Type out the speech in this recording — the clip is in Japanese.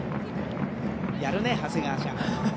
やるね、長谷川ちゃん。